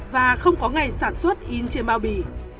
và không có ngày sản xuất in trên bao bì